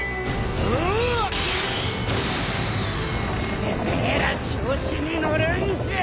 てめえら調子に乗るんじゃ。